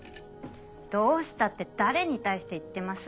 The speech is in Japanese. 「どうした？」って誰に対して言ってます？